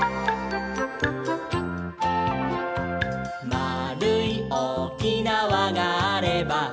「まあるいおおきなわがあれば」